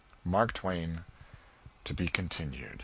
MARK TWAIN. (_To be Continued.